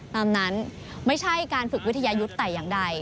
ตามนั้นไม่ใช่การฝึกวิทยายุทธ์แต่อย่างใด